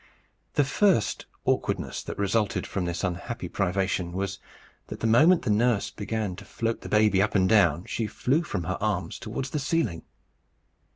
The first awkwardness that resulted from this unhappy privation was, that the moment the nurse began to float the baby up and down, she flew from her arms towards the ceiling.